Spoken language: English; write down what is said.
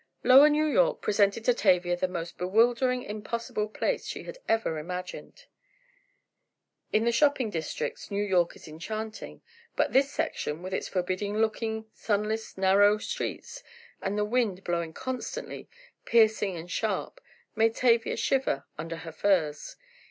Lower New York presented to Tavia the most bewildering, impossible place she had ever imagined! In the shopping districts, New York is enchanting, but this section, with its forbidding looking, sunless, narrow streets, and the wind blowing constantly, piercing and sharp, made Tavia shiver under her furs.